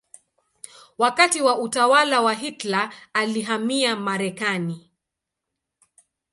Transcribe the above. Wakati wa utawala wa Hitler alihamia Marekani.